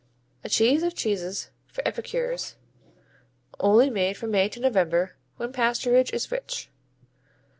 A cheese of cheeses for epicures, only made from May to November when pasturage is rich.